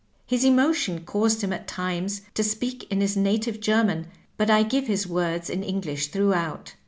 His emotion caused him at times to speak in his native Ger man, but I give his words in English throughout.